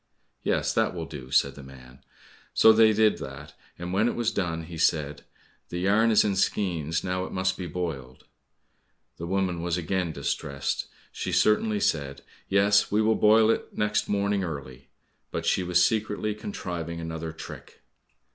"Yes, that will do," said the man. So they did that, and when it was done, he said, "The yarn is in skeins, now it must be boiled." The woman was again distressed; She certainly said, "Yes, we will boil it next morning early." but she was secretly contriving another trick.